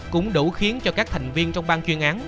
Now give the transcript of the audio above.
cũng đủ khiến cho các thành viên trong ban chuyên án